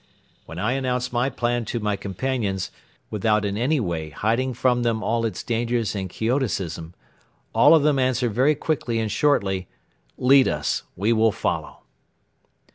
When I announced my plan to my companions, without in any way hiding from them all its dangers and quixotism, all of them answered very quickly and shortly: "Lead us! We will follow."